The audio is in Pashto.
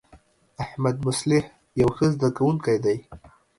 احمدمصلح یو ښه زده کوونکی دی.